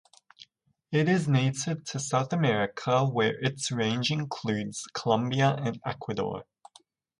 It is native to South America where its range includes Colombia and Ecuador.